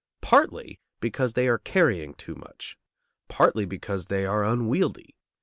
Partly because they are carrying too much. Partly because they are unwieldy.